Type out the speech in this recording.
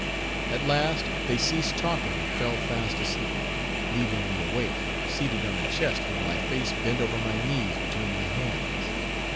At last they ceased talking and fell fast asleep, leaving me awake, seated on a chest with my face bent over my knees between my hands.